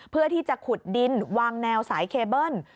เพื่อที่จะขุดดินวางแนวสายเคเบิ้ล